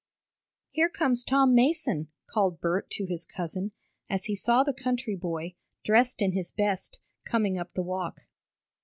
"Here comes Tom Mason!" called Bert to his cousin, as he saw the country boy, dressed in his best, coming up the walk.